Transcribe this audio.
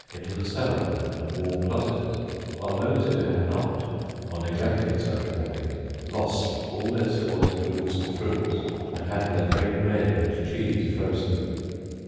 into the cellar, and warm closets; while those who had not, or neglected such warnings, lost all their stores of roots and fruits, and had their very bread and cheese frozen.